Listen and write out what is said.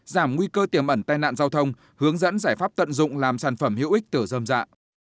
giảm nguy cơ tiềm ẩn tai nạn giao thông hướng dẫn giải pháp tận dụng làm sản phẩm hữu ích từ dơm dạ